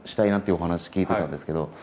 いうお話聞いてたんですけど。